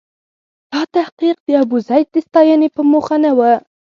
دا تحقیق د ابوزید د ستاینې په موخه نه و.